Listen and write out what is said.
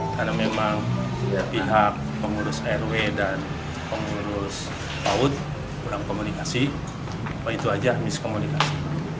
karena memang pihak pengurus rw dan pengurus paut kurang komunikasi itu aja miskomunikasi